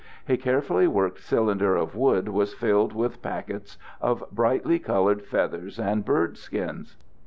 A carefully worked cylinder of wood was filled with packets of brightly colored feathers and bird skins.